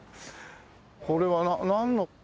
これはなんの。